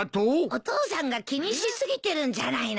お父さんが気にし過ぎてるんじゃないの？